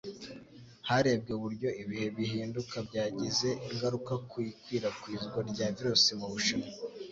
harebwe uburyo ibihe bihinduka byagize ingaruka ku ikwirakwizwa rya virusi mu Bushinwa